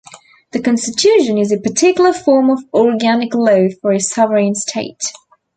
A constitution is a particular form of organic law for a sovereign state.